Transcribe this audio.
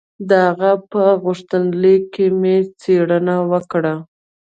د هغه په غوښتنلیک مې څېړنه وکړه.